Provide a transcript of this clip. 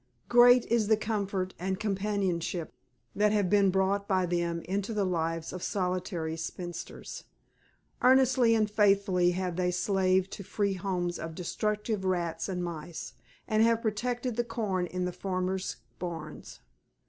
Great is the comfort and companionship that have been brought by them into the lives of solitary spinsters; earnestly and faithfully have they slaved to free homes of destructive rats and mice, and have also protected the corn in the farmers' barns.